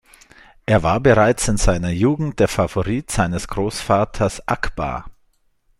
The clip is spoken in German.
Er war bereits in seiner Jugend der Favorit seines Großvaters Akbar.